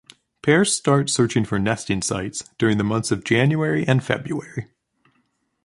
Pairs start searching for nesting sites during the months of January and February.